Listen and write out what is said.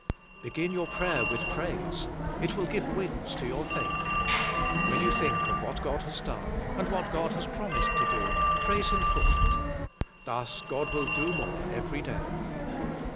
Begin your prayer with praise. It will give wings to your faith. When you think of what God has done, and what God has promised to do, praise Him for it. Thus, God will do more every day.